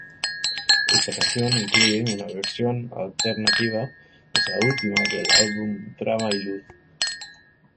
Esta canción incluye una versión alternativa, es la última del álbum Drama y luz.